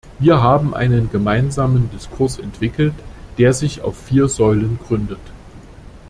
Wir haben einen gemeinsamen Diskurs entwickelt, der sich auf vier Säulen gründet.